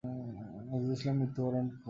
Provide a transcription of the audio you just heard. নজরুল ইসলাম মৃত্যুবরণ করেন।